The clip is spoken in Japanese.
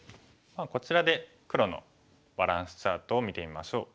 こちらで黒のバランスチャートを見てみましょう。